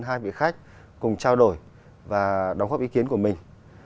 hai vị khách cùng trao đổi và đóng góp ý kiến của mình